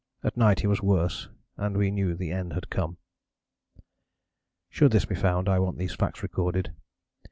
At night he was worse and we knew the end had come. "Should this be found I want these facts recorded.